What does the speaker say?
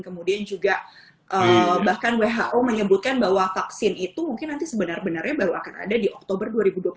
kemudian juga bahkan who menyebutkan bahwa vaksin itu mungkin nanti sebenar benarnya baru akan ada di oktober dua ribu dua puluh satu